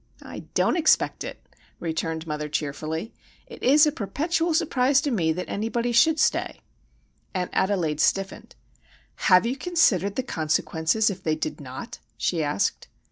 "I don't expect it," returned mother, cheerfully. "It is a perpetual surprise to me that anybody should stay." Aunt Adelaide stiffened. "Have you considered the consequences if they did not?" she asked.